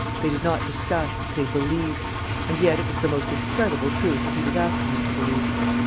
They did not discuss, they believed. And yet it was the most incredible truth that he was asking them to believe.